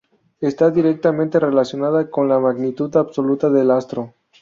Está directamente relacionada con la magnitud absoluta del astro.